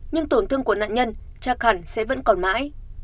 nhưng tổn thương của nạn nhân chắc hẳn sẽ vẫn còn mãi